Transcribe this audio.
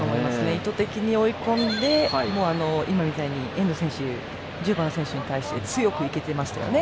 意図的に追い込んで遠藤選手、１０番の選手に対して強くいけていましたよね。